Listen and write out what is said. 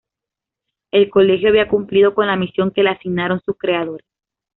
El Colegio había cumplido con la misión que le asignaron sus creadores.